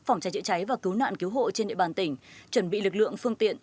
phòng cháy chữa cháy và cứu nạn cứu hộ trên địa bàn tỉnh chuẩn bị lực lượng phương tiện